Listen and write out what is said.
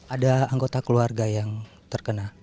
ada anggota keluarga yang terkena